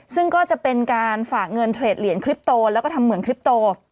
ซึ่งก็จะเป็นการฝากเงินเทรดเหรียญคลิปโตแล้วก็ทำเหมือนคลิปโต